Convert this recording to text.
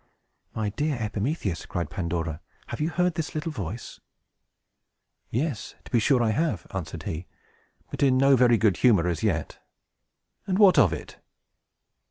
"My dear Epimetheus," cried Pandora, "have you heard this little voice?" "Yes, to be sure I have," answered he, but in no very good humor as yet. "And what of it?"